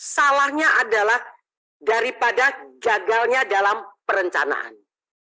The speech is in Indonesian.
salahnya adalah daripada jagalnya dalam perencanaan